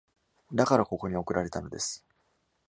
だからここに送られたのです。